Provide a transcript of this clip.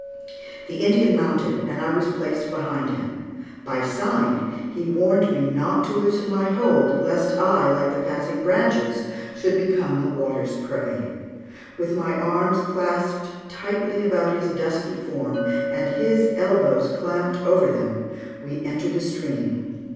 The Indian mounted and I was placed behind him. By sign, he warned me not to loosen my hold, lest I, like the passing branches, should become the water's prey. With my arms clasped tightly about his dusky form, and his elbows clamped over them, we entered the stream.